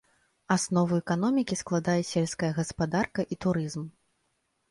Аснову эканомікі складае сельская гаспадарка і турызм.